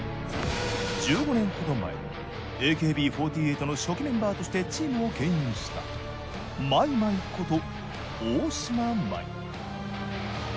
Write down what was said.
１５年ほど前ＡＫＢ４８の初期メンバーとしてチームを牽引したまいまいこと大島麻衣。